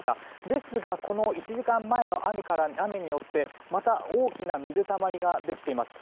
ですがこの１時間前の雨によってまた大きな水たまりができています。